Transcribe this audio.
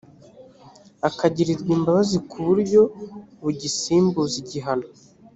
akagirirwa imbabazi ku buryo bugisimbuza igihano